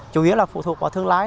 chủ yếu là phụ thuộc vào thương lái